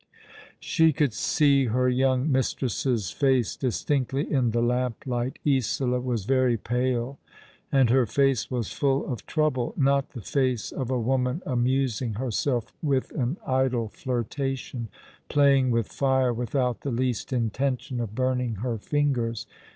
" She could see her young mistress's face distinctly in the lamplight, Isola was very pale, and her face was full of trouble ; not the face of a woman amusing herself with an idle flirtation, playing with fire without the least intention of burning her fingers.